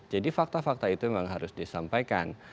jadi fakta fakta itu memang harus disampaikan